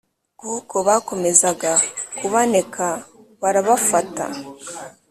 kuko bakomezaga kubaneka; barabafata